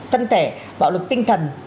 tân thể bạo lực tinh thần